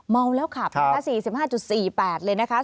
เมาแล้วค่ะปริศนา๔๕๔๘